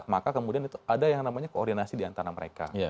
maka kemudian itu ada yang namanya koordinasi diantara mereka